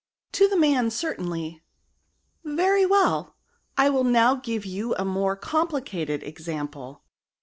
" To the man, certainly," Very well ; I will now give you a more complicated example.